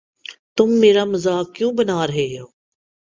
تم میرا مزاق کیوں بنا رہے ہو؟